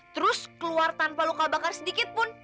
terus keluar tanpa luka bakar sedikit pun